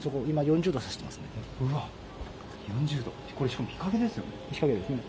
しかも日陰ですよね。